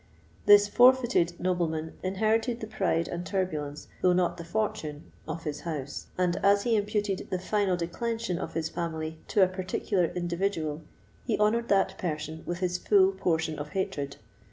This forfeited nobleman inherited the pride and turbulence, though not the fortune, of his house, and, as he imputed the final declension of his family to a particular individual, he honoured that person with his full portion of hatred.